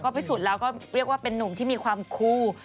พิสูจน์แล้วก็เรียกว่าเป็นนุ่มที่มีความคู่